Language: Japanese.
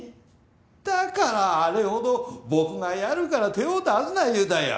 だからあれほど僕がやるから手を出すな言うたんや！